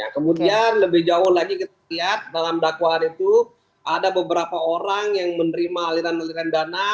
kemudian lebih jauh lagi kita lihat dalam dakwaan itu ada beberapa orang yang menerima aliran aliran dana